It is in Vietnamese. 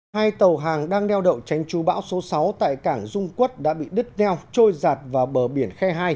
hai tàu hàng đang neo đậu tránh chú bão số sáu tại cảng dung quốc đã bị đứt neo trôi giạt vào bờ biển khe hai